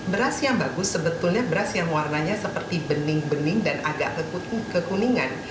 beras yang bagus sebetulnya beras yang warnanya seperti bening bening dan agak kekuningan